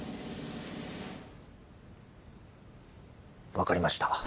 分かりました。